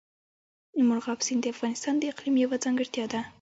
مورغاب سیند د افغانستان د اقلیم یوه ځانګړتیا ده.